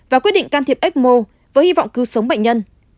và quyết định can thiệp ecmo với hy vọng cứu sống bệnh nhân